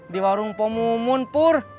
di warung pomomun pur